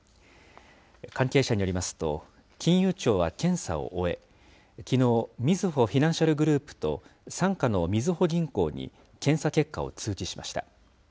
関係者によりますと、金融庁は検査を終え、きのう、みずほフィナンシャルグループと、傘下のみずほ銀行に検査結果を通知しました。